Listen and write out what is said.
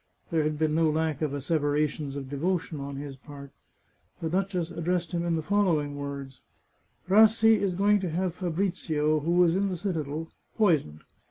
There had been no lack of asseverations of devotion on his part. The duchess addressed him in the following words :" Rassi is going to have Fabrizio, who is in the citadel, poisoned.